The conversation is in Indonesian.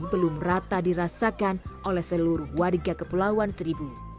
belum rata dirasakan oleh seluruh warga kepulauan seribu